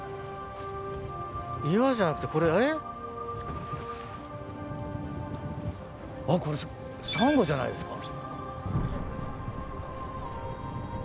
岩じゃなくて、これあ、サンゴじゃないですか？